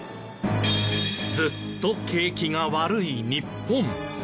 ずっと景気が悪い日本。